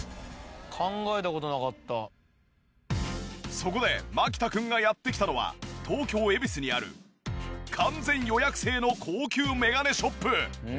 そこで牧田君がやって来たのは東京恵比寿にある完全予約制の高級眼鏡ショップ。